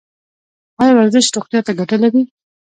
ایا ورزش روغتیا ته ګټه لري؟